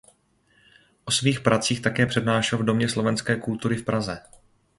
O svých pracích také přednášel v Domě slovenské kultury v Praze.